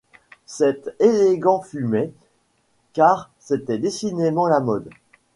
Cet élégant fumait, car c’était décidément la mode.